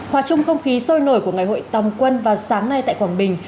hòa chung không khí sôi nổi của ngày hội tòng quân vào sáng nay tại quảng bình